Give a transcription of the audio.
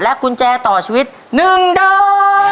และกุญแจต่อชีวิต๑ดา